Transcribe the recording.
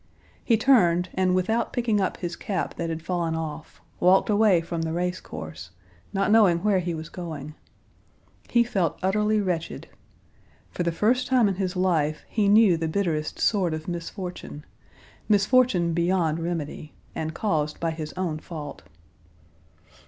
He turned, and without picking up his cap that had fallen off, walked away from the race course, not knowing where he was going. He felt utterly wretched. For the first time in his life he knew the bitterest sort of misfortune, misfortune beyond remedy, and caused by his own fault.